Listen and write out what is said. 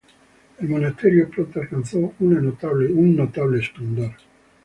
El monasterio pronto alcanzó un notable esplendor.